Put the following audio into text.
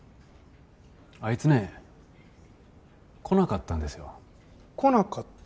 あいつね来なかったんですよ。来なかった？